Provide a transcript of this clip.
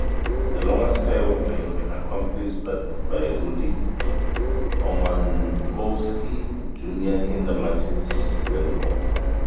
A longer skywalk may have been accomplished by Rudy Omankowski, Junior Kindar-Martin's mentor.